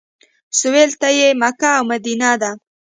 سویل ته یې مکه او مدینه ده.